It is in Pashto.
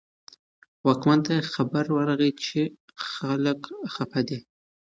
واکمن ته خبر ورغی چې خلک خپه دي.